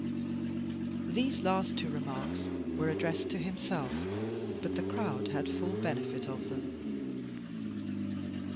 These last two remarks were addressed to himself, but the crowd had full benefit of them.